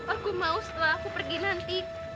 aku mau setelah aku pergi nanti